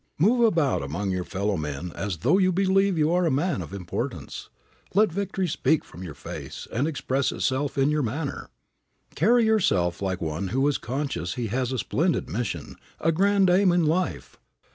Move about among your fellowmen as though you believe you are a man of importance. Let victory speak from your face and express itself in your manner. Carry yourself like one who is conscious he has a splendid mission, a grand aim in life.